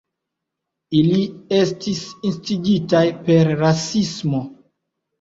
Ili estis instigitaj per rasismo.